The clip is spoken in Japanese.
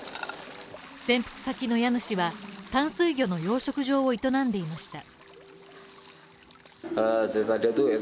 潜伏先の家主は淡水魚の養殖場を営んでいました。